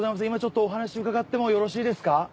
今ちょっとお話伺ってもよろしいですか？